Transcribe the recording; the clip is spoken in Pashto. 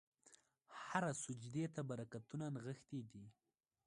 هره سجدې ته برکتونه نغښتي دي.